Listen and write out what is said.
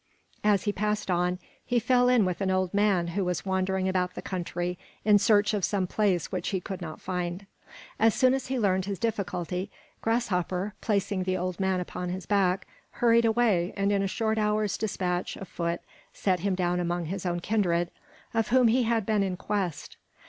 As he passed on, he fell in with an old man who was wandering about the country in search of some place which he could not find. As soon as he learned his difficulty, Grasshopper, placing the old man upon his back, hurried away, and in a short hour's despatch of foot set him down among his own kindred, of whom he had been in quest.